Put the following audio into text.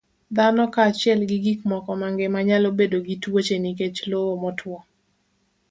Dhano kaachiel gi gik moko mangima nyalo bedo gi tuoche nikech lowo motwo.